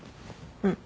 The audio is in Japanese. うん。